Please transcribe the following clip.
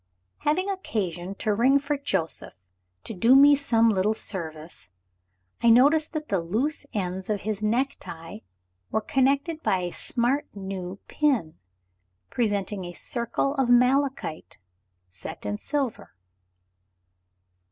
Having occasion to ring for Joseph, to do me some little service, I noticed that the loose ends of his necktie were connected by a smart new pin, presenting a circle of malachite set in silver.